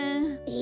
え。